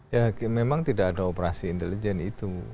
ya memang tidak ada operasi intelijen itu